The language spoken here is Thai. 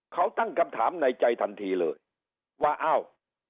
เขาตั้งคำถามในใจทันทีเลยว่าอ้าว